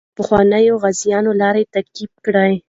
د پخوانیو غازیانو لار تعقیب کړئ.